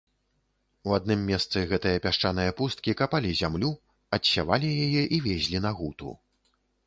У адным месцы гэтае пясчанае пусткі капалі зямлю, адсявалі яе і везлі на гуту.